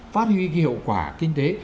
phát huy cái hiệu quả kinh tế